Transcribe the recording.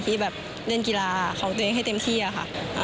ที่เล่นกีฬาของเองให้เต็มที่ค่ะ